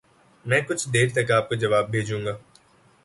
میں کچھ دیر تک آپ کو جواب بھیجوں گا۔۔۔